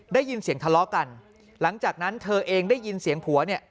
ได้ยินเสียงทะเลาะกันหลังจากนั้นเธอเองได้ยินเสียงผัวเนี่ย